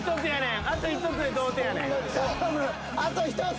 あと１つ！